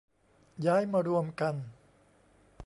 ย้ายมารวมกัน